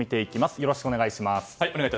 よろしくお願いします。